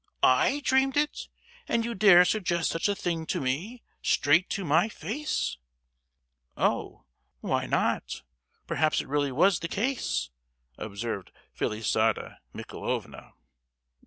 I dreamed it? And you dare suggest such a thing to me—straight to my face?" "Oh, why not? Perhaps it really was the case," observed Felisata Michaelovna.